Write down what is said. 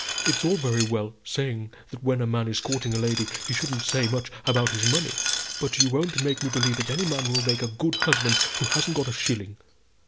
It's all very well saying that when a man is courting a lady, he shouldn't say much about his money; but you won't make me believe that any man will make a good husband who hasn't got a shilling.